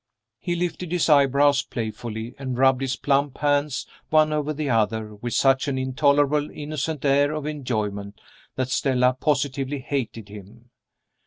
He lifted his eyebrows playfully, and rubbed his plump hands one over the other with such an intolerably innocent air of enjoyment that Stella positively hated him.